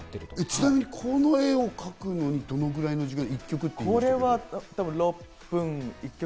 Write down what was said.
ちなみにこの絵を描くのにどのぐらいの時間？